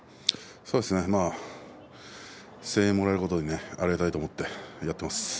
声援をもらえることをありがたいと思ってやっています。